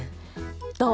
どう？